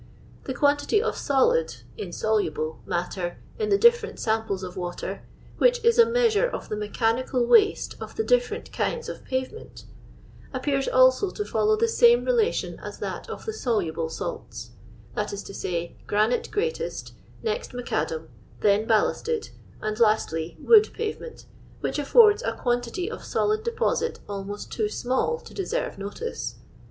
" The quantity of solid (insoluble) matter in the different samples of water, irhich is a ineofttre qf the nuchanical waste of the diJcreiU kinds of pauvuntf ni)ppar8 also to follow the same relation as that of the soluble salts; that is to say, granite greatest, next macadam, then ballasted, and, lastly, wood pavement, which affords a quantity of solid deposit almost too small to deserve notice.